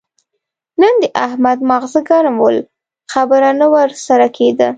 نن د احمد ماغزه ګرم ول؛ خبره نه ور سره کېده.